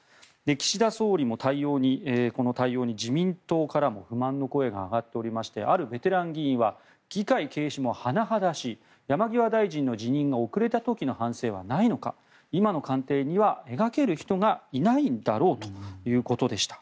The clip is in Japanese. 岸田総理もこの対応に自民党から不満の声が上がっておりましてあるベテラン議員は議会軽視も甚だしい山際大臣の辞任が遅れた時の反省はないのか今の官邸には描ける人がいないんだろうということでした。